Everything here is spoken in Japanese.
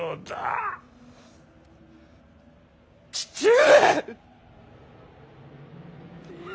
父上！